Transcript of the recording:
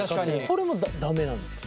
これも駄目なんですか？